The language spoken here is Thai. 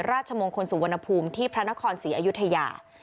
ราชมงคลสุวรรณภูมิที่พระนครศรีอยุธยา